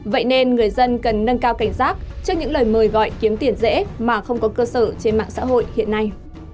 vậy nên người dân cần nâng cao cảnh giác trước những lời mời gọi kiếm tiền dễ mà không có cơ sở trên mạng xã hội hiện nay